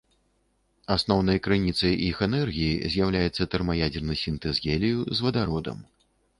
Асноўнай крыніцай іх энергіі з'яўляецца тэрмаядзерны сінтэз гелію з вадародам.